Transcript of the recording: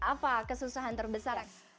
apa kesusahan terbesar